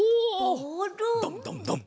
ドンドンドン。